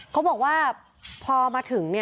เขาบอกว่าพอมาถึงเนี่ย